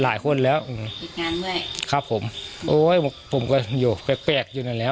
หลายคนแล้วอืมติดงานด้วยครับผมโอ้ยบอกผมก็อยู่แปลกแปลกอยู่นั่นแหละ